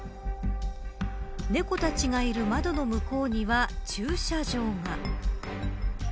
猫たちがいる窓の向こうには駐車場が。